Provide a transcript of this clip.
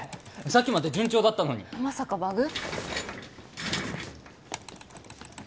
さっきまで順調だったのにまさかバグ？